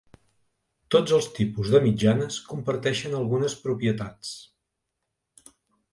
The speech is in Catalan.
Tots els tipus de mitjanes comparteixen algunes propietats.